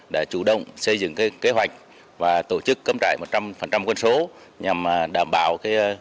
đã chủ động xây dựng kế hoạch và tổ chức cấm trải một trăm linh quân số nhằm đảm bảo